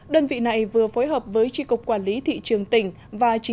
đơn vị này vừa phối hợp với chỉ cục quản lý thị trường tỉnh